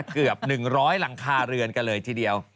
เกือบ๑๐๐หลังคาเรือนกันเลยทีเดียว